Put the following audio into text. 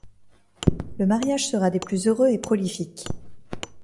Le mariage sera des plus heureux et prolifiques.